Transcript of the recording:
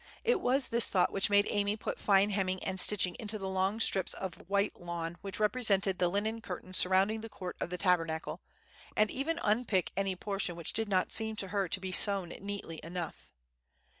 It was this thought which made Amy put fine hemming and stitching into the long strips of white lawn which represented the linen curtains surrounding the court of the Tabernacle, and even unpick any portion which did not seem to her to be sewn neatly enough.